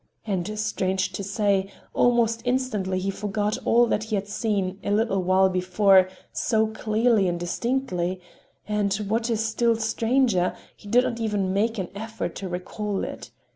And, strange to say, almost instantly he forgot all that he had seen a little while before so clearly and distinctly; and, what is still stranger, he did not even make an effort to recall it.